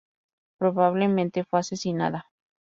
Probablemente fue asesinada.